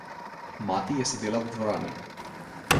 Mati je sedela v dvorani.